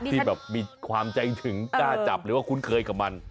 ที่แบบมีความใจถึงกล้าจับหรือว่าคุ้นเคยกับมัน